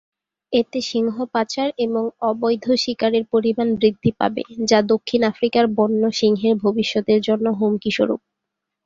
এতে সিংহ পাচার এবং অবৈধ শিকারের পরিমাণ বৃদ্ধি পাবে, যা দক্ষিণ আফ্রিকার বন্য সিংহের ভবিষ্যতের জন্য হুমকিস্বরূপ।